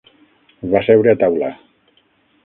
Va seure a taula.